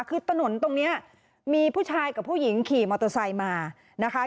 คือถนนตรงนี้มีผู้ชายกับผู้หญิงขี่มอเตอร์ไซค์มานะคะ